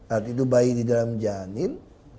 arti itu bayi di dalam janin